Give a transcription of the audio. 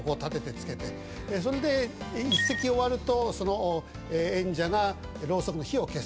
それで一席終わるとその演者がろうそくの火を消す。